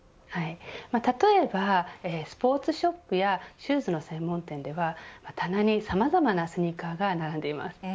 例えばスポーツショップやシューズの専門店では棚にさまざまなスニーカーが並んでいます。